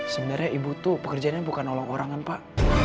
sebenarnya ibu tuh pekerjaannya bukan nolong orang kan pak